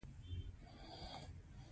پرنټ مو کړ او سهار وختي تر ولسوالۍ لاړو.